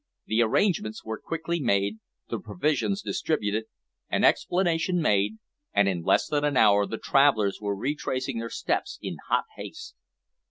The arrangements were quickly made, the provisions distributed, an explanation made, and in less than an hour the travellers were retracing their steps in hot haste.